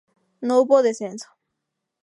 No hubo descenso.